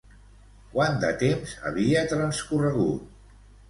Quant de temps havia transcorregut?